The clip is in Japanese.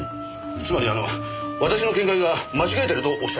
つまり私の見解が間違えてるとおっしゃりたいのですか？